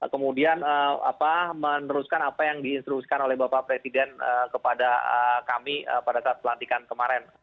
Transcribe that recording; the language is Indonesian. kemudian meneruskan apa yang diinstruksikan oleh bapak presiden kepada kami pada saat pelantikan kemarin